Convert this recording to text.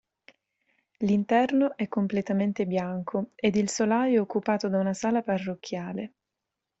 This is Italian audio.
L'interno è completamente bianco ed il solaio è occupato da una sala parrocchiale.